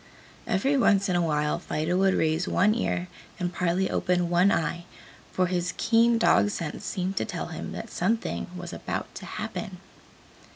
Every once in a while Fido would raise one ear and partly open one eye, for his keen dog sense seemed to tell him that something was about to happen.